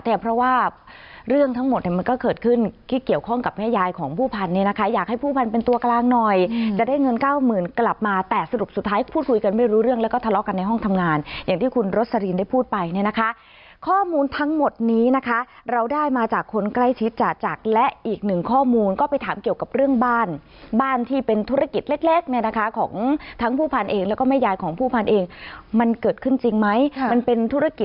แต่เพราะว่าเรื่องทั้งหมดมันก็เกิดขึ้นที่เกี่ยวข้องกับแม่ยายของผู้พันธ์เนี่ยนะคะอยากให้ผู้พันธ์เป็นตัวกลางหน่อยจะได้เงิน๙๐๐๐๐กลับมาแต่สรุปสุดท้ายพูดคุยกันไม่รู้เรื่องแล้วก็ทะเลาะกันในห้องทำงานอย่างที่คุณรสลีนได้พูดไปเนี่ยนะคะข้อมูลทั้งหมดนี้นะคะเราได้มาจากคนใกล้ชิดจาจากและอีกหนึ่งข้อมูลก